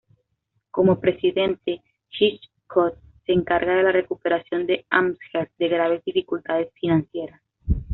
Como presidente, Hitchcock se encarga de la recuperación de Amherst de graves dificultades financieras.